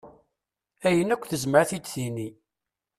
Ayen akk tezmer ad t-id-tini.